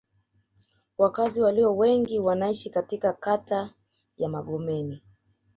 Wakazi walio wengi wanaishi katika kata ya Magomeni